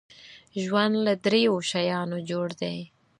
ژوند له دریو شیانو جوړ دی .